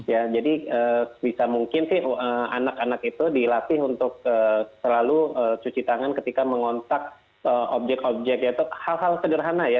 ya jadi bisa mungkin sih anak anak itu dilatih untuk selalu cuci tangan ketika mengontak objek objek yaitu hal hal sederhana ya